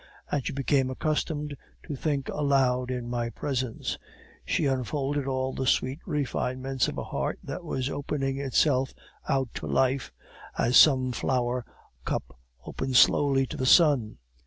As she became accustomed to think aloud in my presence, she unfolded all the sweet refinements of a heart that was opening itself out to life, as some flower cup opens slowly to the sun.